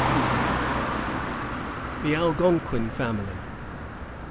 THE ALGONQUIN FAMILY.